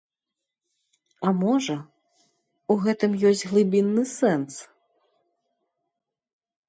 А можа, у гэтым ёсць глыбінны сэнс?